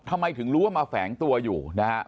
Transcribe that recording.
ทำไมถึงรู้ว่ามาแฝงตัวอยู่นะฮะ